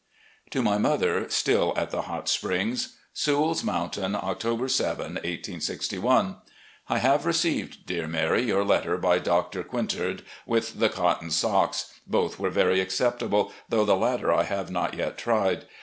To my mother, still at the Hot Springs: "Sewell's Mountain, October 7, 1861. " I received, dear Mary, your letter by Doctor Quin tard, with the cotton socks. Both were very acceptable, though the latter I have not yet tried.